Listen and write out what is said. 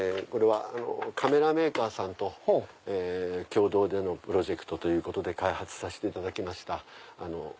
カメラメーカーさんと共同でのプロジェクトということで開発させていただきました。